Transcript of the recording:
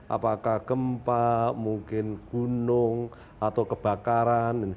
apakah gempa mungkin gunung atau kebakaran